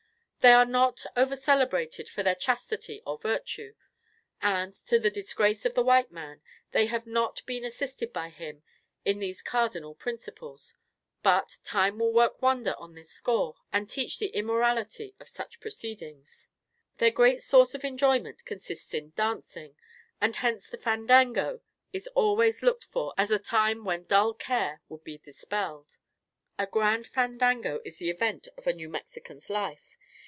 They are not over celebrated for their chastity or virtue; and, to the disgrace of the white man, they have not been assisted by him in these cardinal principles; but, time will work wonders on this score and teach the immorality of such proceedings. Their great source of enjoyment consists in dancing; and hence the fandango is always looked for as a time when dull care will be dispelled. A grand fandango is the event of a New Mexican's life.